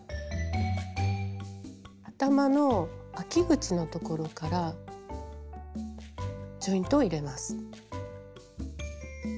頭のあき口のところからジョイントを入れます。